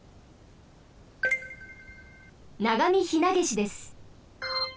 ナガミヒナゲシです。